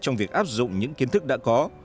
trong việc áp dụng những kiến thức đã có